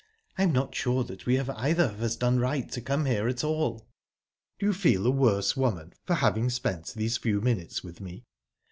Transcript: I'm not sure that we have either of us done right to come here at all." "Do you feel a worse woman for having spent these few minutes with me?"